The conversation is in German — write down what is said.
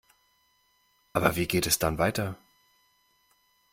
Aber wie geht es dann weiter?